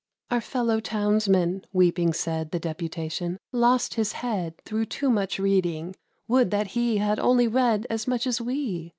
"Our fellow townsman," weeping said The deputation, "lost his head Through too much reading. Would that he Had only read as much as we!